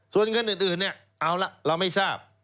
ส่วนเงินอื่นเนี่ยเอาละเราไม่ทราบ